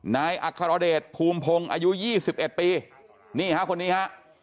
นายอัครเดชภูมิพงศ์อายุ๒๑ปีนี่ฮะคนนี้ฮะ